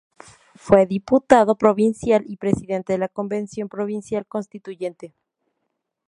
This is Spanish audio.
Fue diputado provincial y presidente de la convención provincial constituyente.